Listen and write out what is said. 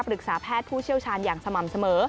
แพทย์ผู้เชี่ยวชาญอย่างสม่ำเสมอ